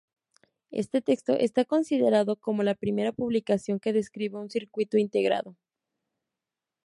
Este texto es considerado como la primera publicación que describe un circuito integrado.